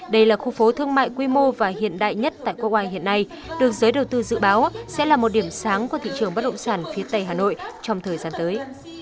đây là khu phố thương mại quy mô và hiện đại nhất tại quốc ai hiện nay được giới đầu tư dự báo sẽ là một điểm sáng của thị trường bất động sản phía tây hà nội trong thời gian tới